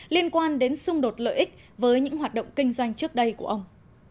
liên quan đến xung đột lợi ích với những hoạt động kinh doanh trước đây của ông